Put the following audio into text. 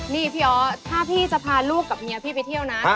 นี่พี่ออสถ้าพี่จะพาลูกกับเมียพี่ไปเที่ยวนะ